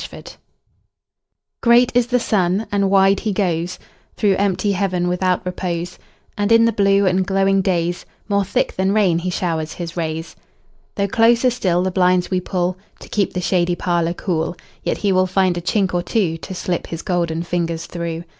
Summer Sun GREAT is the sun, and wide he goesThrough empty heaven without repose; And in the blue and glowing daysMore thick than rain he showers his rays. Though closer still the blinds we pullTo keep the shady parlour cool, Yet he will find a chink or twoTo slip his golden fingers through.